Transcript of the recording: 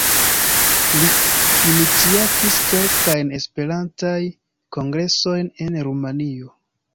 Li iniciatis kelkajn Esperantaj kongresojn en Rumanio.